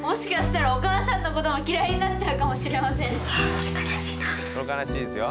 それ悲しいですよ。